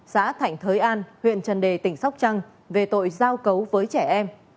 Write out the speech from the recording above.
xã thạnh thới an huyện trần đề tỉnh sóc trăng về tội giao cấu với trẻ em